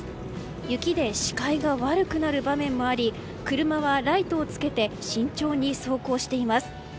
雪で視界が悪くなる場面もあり車はライトをつけて慎重に走行しています。